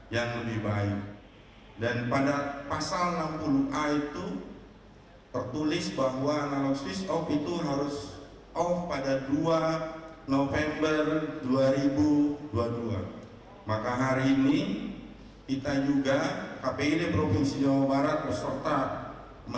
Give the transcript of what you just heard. hatur mulut wassalamualaikum warahmatullahi wabarakatuh